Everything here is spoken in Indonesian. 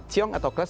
ciong atau kelas